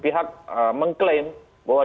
pihak mengklaim bahwa